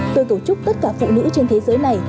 tôi cầu chúc tất cả phụ nữ trên thế giới này